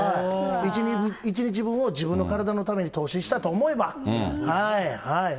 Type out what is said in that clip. １日分を自分の体のために投資したと思えば。